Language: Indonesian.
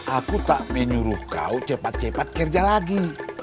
aku tidak menyuruh kamu cepat cepat kerja lagi